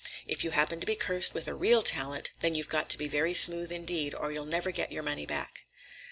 If you happen to be cursed with a real talent, then you've got to be very smooth indeed, or you'll never get your money back."